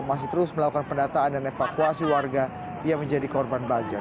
masih terus melakukan pendataan dan evakuasi warga yang menjadi korban banjir